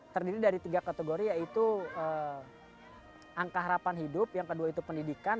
terdiri dari tiga kategori yaitu angka harapan hidup yang kedua itu pendidikan